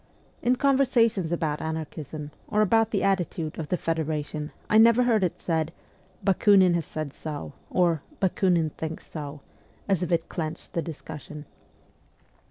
In conversations about anarchism, or about the attitude of the federation, I never heard it said, ' Bakunin has said so ' or ' Bakiinin thinks so,' as if it clenched the discussion.